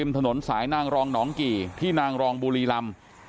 ถนนสายนางรองหนองกี่ที่นางรองบุรีลำ